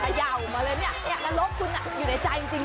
เขย่ามาเลยเนี่ยนรกคุณอยู่ในใจจริง